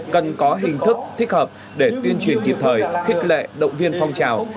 cần có hình thức thích hợp để tuyên truyền kịp thời khích lệ động viên phong trào